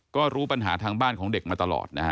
ก็รู้ปัญหาทางบ้านของเด็กมาตลอดนะฮะ